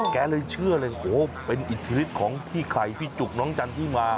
แกเลยเชื่อเลยโอ้โหเป็นอิทธิฤทธิของพี่ไข่พี่จุกน้องจันที่มา